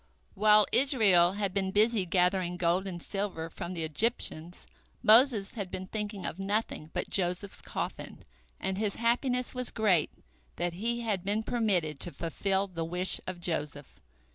While Israel had been busy gathering gold and silver from the Egyptians, Moses had been thinking of nothing but Joseph's coffin, and his happiness was great that he had been permitted to fulfil the wish of Joseph.